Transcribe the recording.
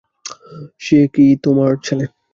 সে কি তোমার ছেলে?